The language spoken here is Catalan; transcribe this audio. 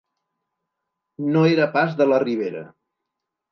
No era pas de la Ribera.